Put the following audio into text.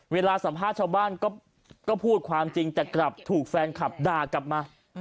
เวลาสัมภาษณ์ชาวบ้านก็พูดความจริงแต่กลับถูกแฟนคลับด่ากลับมา